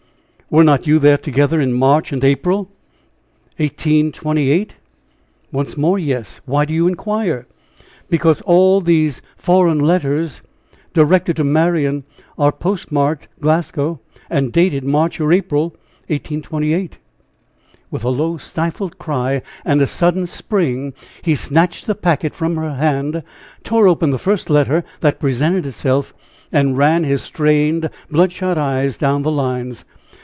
"Were not you there together in March and April, 182 ?" "Once more, yes! Why do you inquire?" "Because all these foreign letters directed to Marian are postmarked Glasgow, and dated March or April, 182 ." With a low, stifled cry, and a sudden spring, he snatched the packet from her hand, tore open the first letter that presented itself, and ran his strained, bloodshot eyes down the lines.